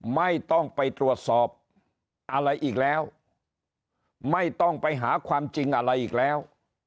ไม่ต้องไปตรวจสอบอะไรอีกแล้วไม่ต้องไปหาความจริงอะไรอีกแล้ว